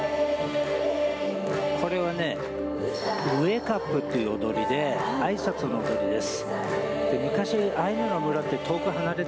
これはね、ウエカプという踊りであいさつの踊りです。